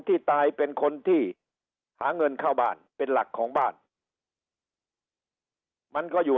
ที่ตายเป็นคนที่หาเงินเข้าบ้านเป็นหลักของบ้านมันก็อยู่